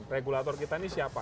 regulator kita ini siapa